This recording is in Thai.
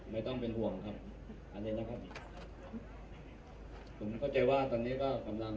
ไม่ต้องเป็นห่วงครับอันนี้นะครับผมเข้าใจว่าตอนนี้ก็กำลัง